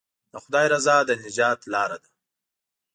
د خدای رضا د نجات لاره ده.